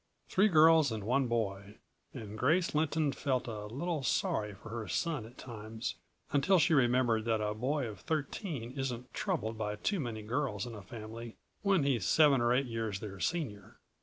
Three girls and one boy, and Grace Lynton felt a little sorry for her son at times, until she remembered that a boy of thirteen isn't troubled by too many girls in a family when he's seven or eight years their senior.